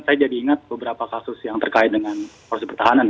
saya jadi ingat beberapa kasus yang terkait dengan proses pertahanan